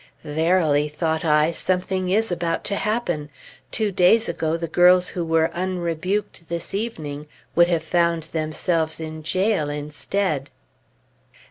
Verily, thought I, something is about to happen! Two days ago the girls who were "unrebuked" this evening would have found themselves in jail instead.